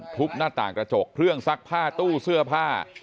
หน้าต่างกระจกเครื่องซักผ้าตู้เสื้อผ้า